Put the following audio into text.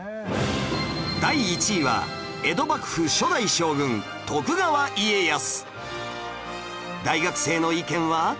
第１位は江戸幕府初代将軍徳川家康